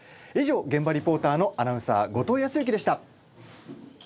以上現場リポーターのアナウンサー後藤康之でした。